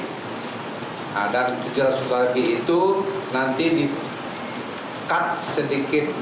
nah dan tujuh ratus lagi itu nanti di cut sedikit